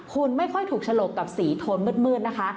คุณไม่ค่อยถูกฉลกกับสีโทนมืดนะคะ